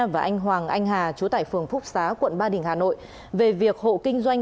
và anh hoàng anh hà chú tại phường phúc xá quận ba đình hà nội về việc hộ kinh doanh